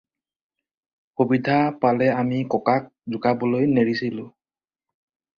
সুবিধা পালেই আমি ককাক জোকাবলৈ নেৰিছিলোঁ।